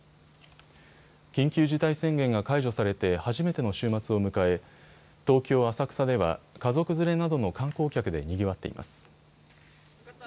緊急事態宣言が解除されて初めての週末を迎え東京浅草では家族連れなどの観光客でにぎわっています。